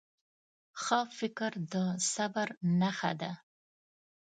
ښه فکر د صبر نښه ده.